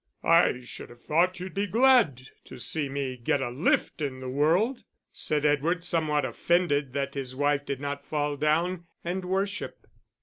"I should have thought you'd be glad to see me get a lift in the world," said Edward, somewhat offended that his wife did not fall down and worship.